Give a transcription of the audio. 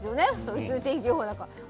宇宙天気予報だから。